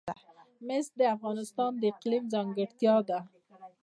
مس د افغانستان د اقلیم ځانګړتیا ده.